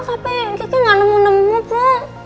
tapi kiki nggak nemu nemu bu